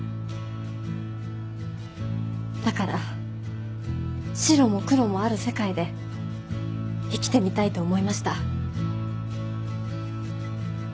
だから白も黒もある世界で生きてみたいと思いました。